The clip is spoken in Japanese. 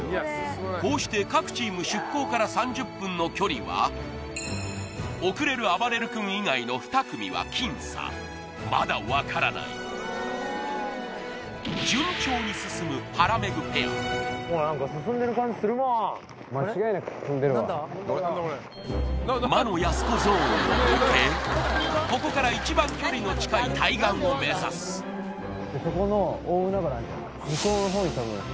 こうして各チーム出港から３０分の距離は遅れるあばれる君以外の２組は僅差まだ分からない順調に進むはらめぐペア魔のやす子ゾーンを抜けここから一番距離の近い対岸を目指すマジ？